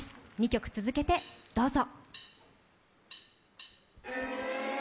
２曲続けてどうぞ。